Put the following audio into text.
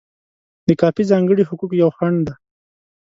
د کاپي ځانګړي حقوق یو خنډ دی.